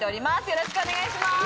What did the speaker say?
よろしくお願いします。